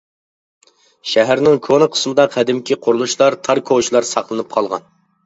شەھەرنىڭ كونا قىسمىدا قەدىمكى قۇرۇلۇشلار، تار كوچىلار ساقلىنىپ قالغان.